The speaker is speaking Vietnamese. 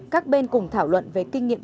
các bên cùng thảo luận về kinh nghiệm